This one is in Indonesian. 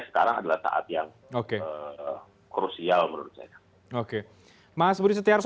sekarang adalah saat yang krusial menurut saya oke mas budi setiarso